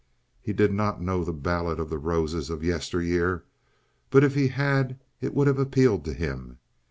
He did not know the ballad of the roses of yesteryear, but if he had it would have appealed to him.